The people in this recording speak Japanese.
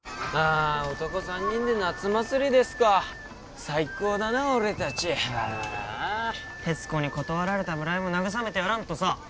あ男３人で夏祭りですか最高だな俺達ああ鉄子に断られた村井も慰めてやらんとさ